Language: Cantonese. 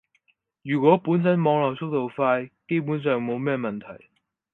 如果本身網絡速度快，基本上冇乜問題